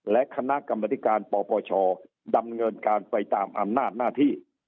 และคณะกรรมธิการปปชดำเนินการไปตามอำนาจหน้าที่